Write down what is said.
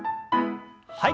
はい。